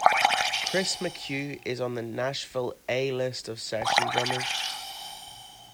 Chris McHugh is on the Nashville "A" list of session drummers.